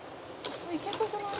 「いけそうじゃない？」